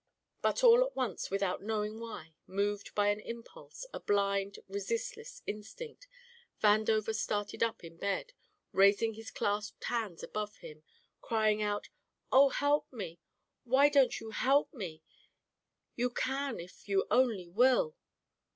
But all at once, without knowing why, moved by an impulse, a blind, resistless instinct, Vandover started up in bed, raising his clasped hands above him, crying out, "Oh, help me! Why don't you help me? You can if you only will!"